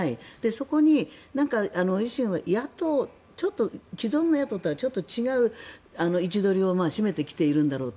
そこに、維新は野党ちょっと既存の野党とはちょっと違う位置取りをしてきているんだろうと。